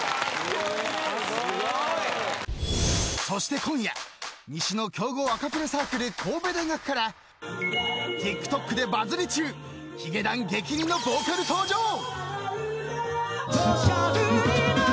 ［そして今夜西の強豪アカペラサークル神戸大学からＴｉｋＴｏｋでバズり中ヒゲダン激似のボーカル登場］